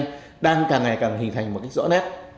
cực thứ hai đang càng ngày càng hình thành một cái rõ nét